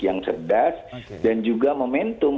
yang cerdas dan juga momentum